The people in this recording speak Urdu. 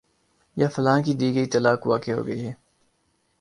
یا فلاں کی دی گئی طلاق واقع ہو گئی ہے